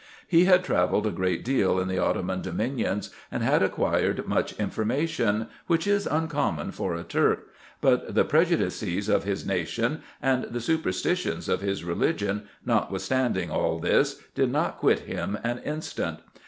He had travelled a great deal in the Ottoman dominions, and had acquired much information ; which is uncommon for a Turk : but the prejudices of his nation, and the superstitions of his religion, notwithstanding all this, did not quit him an instant.